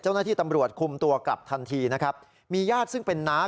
เจ้าหน้าที่ตำรวจคุมตัวกลับทันทีนะครับมีญาติซึ่งเป็นน้า